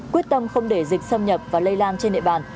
quyết tâm không để dịch xâm nhập và lây lan trên địa bàn